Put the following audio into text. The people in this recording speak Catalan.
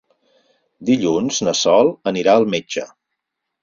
Dilluns na Sol anirà al metge.